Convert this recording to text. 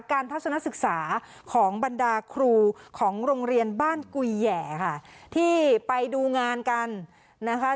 ทัศนศึกษาของบรรดาครูของโรงเรียนบ้านกุยแหย่ค่ะที่ไปดูงานกันนะคะ